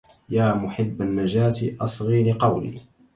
يا محب النجاة أصغ لقولي